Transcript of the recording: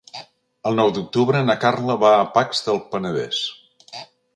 El nou d'octubre na Carla va a Pacs del Penedès.